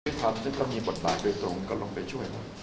จุดมีความที่ก็มีปฏิบัติกรียโตมึงก็ลงไปช่วย